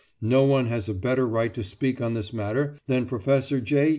No one has a better right to speak on this matter than Professor J.